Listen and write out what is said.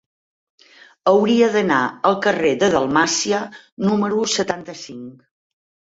Hauria d'anar al carrer de Dalmàcia número setanta-cinc.